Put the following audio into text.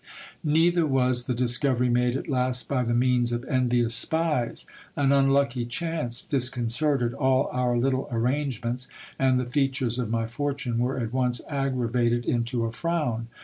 Neither was the dis covery made at last by the means of envious spies. An unlucky chance dis concerted all our little arrangements, and the features of my fortune were at once aggravated into a frown.